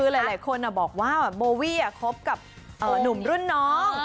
หลายคนบอกว่าโบวี่คบกับหนุ่มรุ่นน้อง